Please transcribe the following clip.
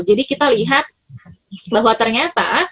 jadi kita lihat bahwa ternyata